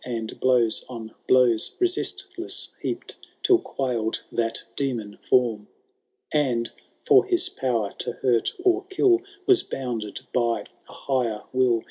And blows on blows resistless heap'd. Till quail'd that Demon Form, And — for his power to hurt or kill Was bounded by a higher will— .